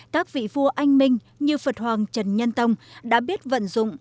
các vị vua anh minh như phật hoàng trần nhân tông đã biết vận dụng